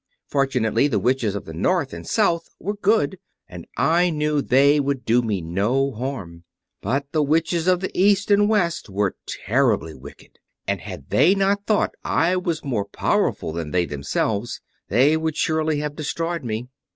Fortunately, the Witches of the North and South were good, and I knew they would do me no harm; but the Witches of the East and West were terribly wicked, and had they not thought I was more powerful than they themselves, they would surely have destroyed me.